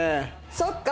そっか。